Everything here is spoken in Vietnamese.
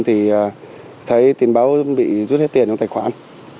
thì thấy tin báo bị rút hết tiền trong tài khoản